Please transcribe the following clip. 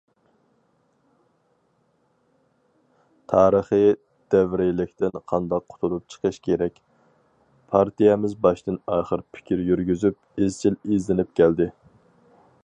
تارىخىي دەۋرىيلىكتىن قانداق قۇتۇلۇپ چىقىش كېرەك؟ پارتىيەمىز باشتىن- ئاخىر پىكىر يۈرگۈزۈپ، ئىزچىل ئىزدىنىپ كەلدى.